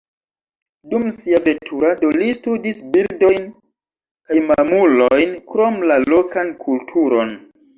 Dum sia veturado li studis birdojn kaj mamulojn krom la lokan kulturon.